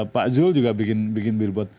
pak zul juga bikin billboard